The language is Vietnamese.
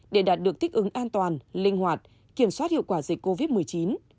để đạt được thích ứng an toàn linh hoạt kiểm soát hiệu quả dịch covid một mươi chín